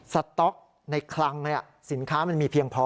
สต๊อกในคลังสินค้ามันมีเพียงพอ